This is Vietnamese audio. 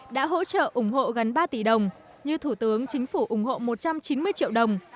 đã hỗ trợ ủng hộ gần ba tỷ đồng như thủ tướng chính phủ ủng hộ một trăm chín mươi triệu đồng